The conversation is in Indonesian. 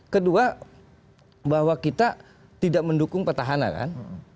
kedua bahwa kita tidak mendukung petahana kan